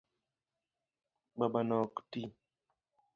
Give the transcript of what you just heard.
Babano ok ti